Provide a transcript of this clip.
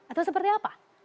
atau seperti apa